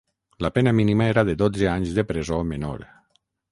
La pena mínima era de dotze anys de presó menor.